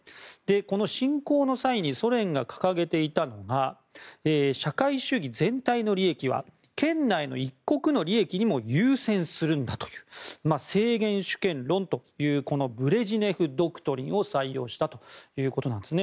この侵攻の際にソ連が掲げていたのが社会主義全体の利益は圏内の一国の利益にも優先するんだという制限主権論というブレジネフ・ドクトリンを採用したということです。